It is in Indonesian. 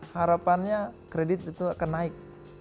harapannya kredit itu akan naik